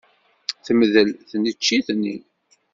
Temdel tneččit-nni.